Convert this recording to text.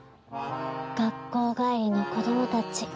学校帰りの子供たち。